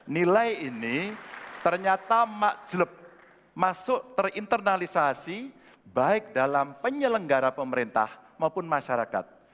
nilai ini ternyata makjlub masuk terinternalisasi baik dalam penyelenggara pemerintah maupun masyarakat